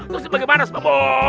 terus bagaimana pak bob